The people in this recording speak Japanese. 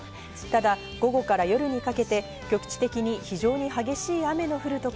ただ、午後から夜にかけて、局地的に非常に激しい雨の降る所